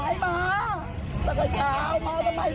สักเช้ามามาไปแบบนี้นะ